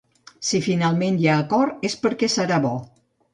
Si finalment hi ha acord és perquè serà bo.